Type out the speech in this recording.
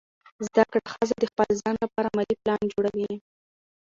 زده کړه ښځه د خپل ځان لپاره مالي پلان جوړوي.